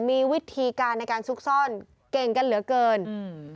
มีวิธีการในการซุกซ่อนเก่งกันเหลือเกินอืม